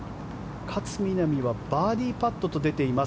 勝みなみはバーディーパットと出ています。